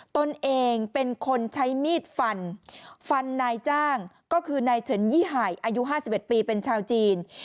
ตนเองเป็นคนใช้มีดฟันฟันนายจ้างก็คือนายเฉินยี่หายอายุ๕๑ปีเป็นชาวจีน